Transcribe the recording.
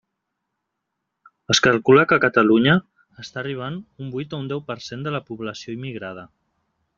Es calcula que Catalunya està arribant a un vuit o deu per cent de població immigrada.